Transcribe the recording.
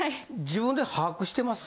自分で把握してます？